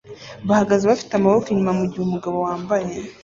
bahagaze bafite amaboko inyuma mugihe umugabo wambaye